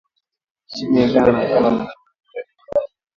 nchini Uganda kutokana na uchafuzi wa hali ya hewa